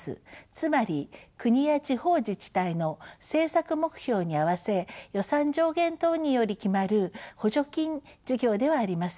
つまり国や地方自治体の政策目標に合わせ予算上限等により決まる補助金事業ではありません。